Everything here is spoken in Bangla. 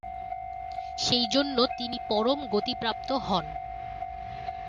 সেই জন্য তিনি পরম গতি প্রাপ্ত হন।